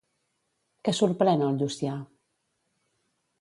Què sorprèn el Llucià?